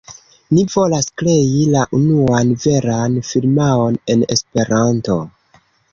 Ni volas krei la unuan veran firmaon en Esperanto.